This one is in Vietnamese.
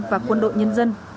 và quân đội nhân dân